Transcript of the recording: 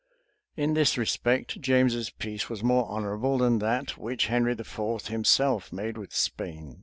In this respect, James's peace was more honorable than that which Henry IV. himself made with Spain.